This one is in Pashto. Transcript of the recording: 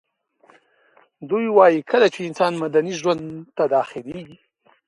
دوی وايي کله چي انسان مدني ژوند ته داخليږي